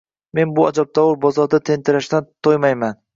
Men bu ajabtovur bozorda tentirashdan to‘ymayman.